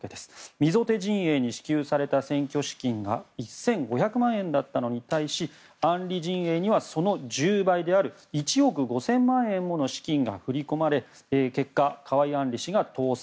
溝手陣営に支給された選挙資金が１５００万円だったのに対し案里陣営にはその１０倍である１億５０００万円もの資金が振り込まれ結果、河井案里氏が当選。